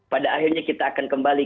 pada akhirnya kita akan kembali